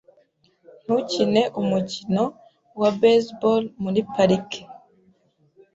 Ntukine umukino wa baseball muri parike .